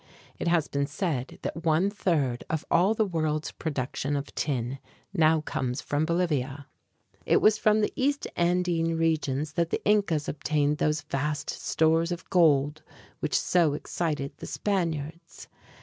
It has been said that one third of all the world's production of tin now comes from Bolivia. It was from the east Andine regions that the Incas obtained those vast stores of gold which so excited the Spaniards.